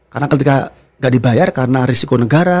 karena ketika gak dibayar karena resiko negara